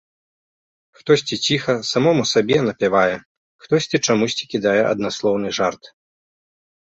Хтосьці ціха, самому сабе, напявае, хтосьці чамусьці кідае аднаслоўны жарт.